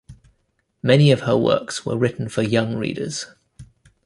Many of her works were written for young readers.